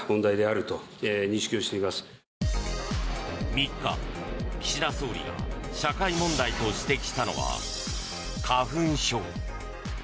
３日、岸田総理が社会問題と指摘したのは、花粉症。